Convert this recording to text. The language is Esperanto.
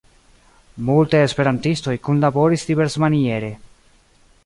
Multaj esperantistoj kunlaboris diversmaniere.